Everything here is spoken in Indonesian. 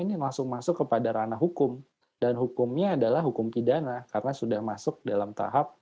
ini langsung masuk kepada ranah hukum dan hukumnya adalah hukum pidana karena sudah masuk dalam tahap